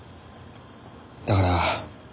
だから。